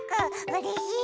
うれしい！